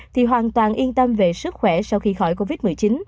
thì hoàn toàn yên tâm về sức khỏe sau khi khỏi covid một mươi chín